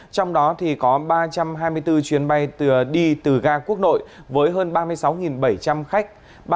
trong đó có ba trăm hai mươi bốn chuyến bay đi từ ga quốc nội với hơn ba mươi sáu bảy trăm linh khách